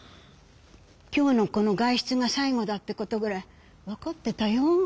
今日のこの外出が最後だってことぐらいわかってたよ。